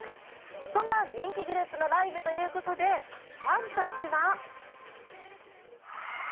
そんな人気グループのライブということで、ファンたちは。